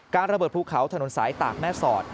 ระเบิดภูเขาถนนสายตากแม่สอด